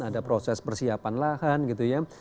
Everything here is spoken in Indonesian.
ada proses persiapan lahan gitu ya